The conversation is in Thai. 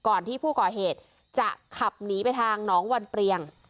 ที่ผู้ก่อเหตุจะขับหนีไปทางหนองวันเปลี่ยง